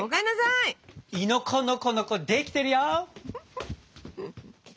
いのこのこのこできてるよ！